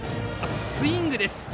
スイングです。